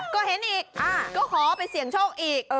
ก็เห็นอีกก็ขอไปเสี่ยงโชคอีก